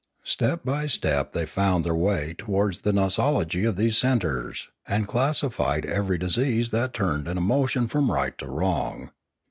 Step by step they found their 594 Limanora way towards the nosology of these centres, and classi fied every disease that turned an emotion from right to wrong.